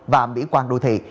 và mỹ quan đô thị